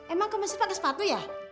emang ke masjid pakai sepatu ya